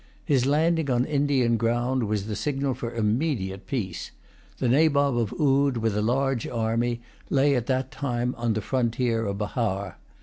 His landing on Indian ground was the signal for immediate peace. The Nabob of Oude, with a large army, lay at that time on the frontier of Bahar.